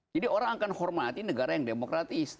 jadi orang akan hormati negara yang demokratis